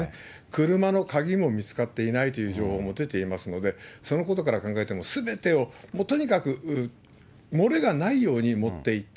車の鍵も見つかっていないという情報も出ていますので、そのことから考えても、すべてをとにかく、漏れがないように持っていった。